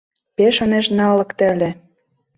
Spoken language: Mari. Пеш ынеж налыкте ыле...